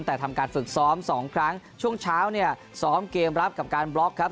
แต่ทำการฝึกซ้อมสองครั้งช่วงเช้าเนี่ยซ้อมเกมรับกับการบล็อกครับ